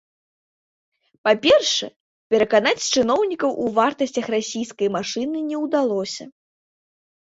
Па-першае, пераканаць чыноўнікаў у вартасцях расійскай машыны не ўдалося.